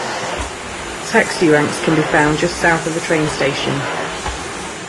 Taxi ranks can be found just south of the train station.